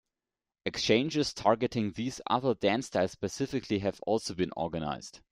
Exchanges targeting these other dance styles specifically have also been organized.